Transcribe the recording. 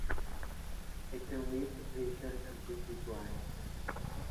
It can leave the patient completely blind.